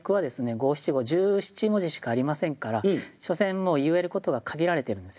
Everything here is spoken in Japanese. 五七五十七文字しかありませんから所詮もう言えることが限られてるんですよ。